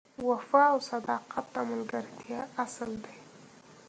وفا او صداقت د ملګرتیا اصل دی.